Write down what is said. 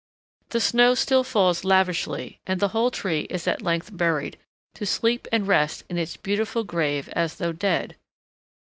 The snow still falls lavishly, and the whole tree is at length buried, to sleep and rest in its beautiful grave as though dead.